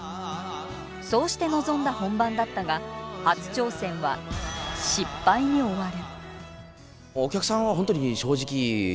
そうして臨んだ本番だったが初挑戦は失敗に終わる。